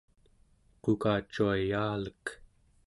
qukacuayaalek